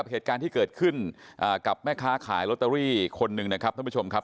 เหตุการณ์ที่เกิดขึ้นกับแม่ค้าขายลอตเตอรี่คนหนึ่งนะครับท่านผู้ชมครับ